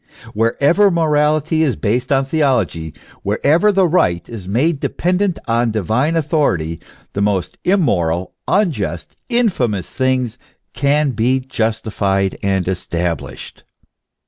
Wherever morality is based on theology, wherever the right is made dependent on divine authority, the most immoral, un just, infamous things can be justified and established.